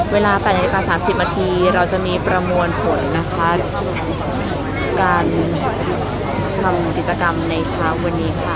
เวลา๘นาฬิกา๓๐นาทีเราจะมีประมวลผลนะคะการทำกิจกรรมในเช้าวันนี้ค่ะ